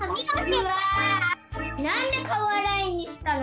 なんで「かおあらう」にしたの？